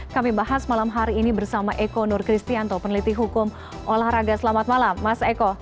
kami bahas malam hari ini bersama eko nur kristianto peneliti hukum olahraga selamat malam mas eko